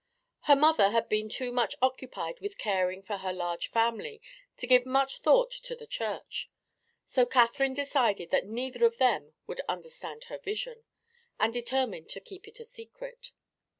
Her mother had been too much occupied with caring for her large family to give much thought to the Church. So Catherine decided that neither of them would understand her vision, and determined to keep it a secret.